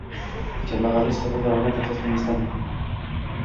kambag‘allik sabablarini tahlil qilmasdan